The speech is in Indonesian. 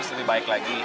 bisa lebih baik lagi